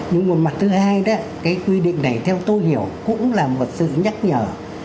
nhưng một mặt thứ hai đó cái quy định này theo tôi hiểu cũng là một sự nhắc nhở